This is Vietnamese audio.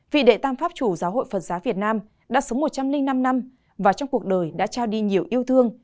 vị đệ tam pháp chủ giáo hội phật giáo việt nam đã sống một trăm linh năm năm và trong cuộc đời đã trao đi nhiều yêu thương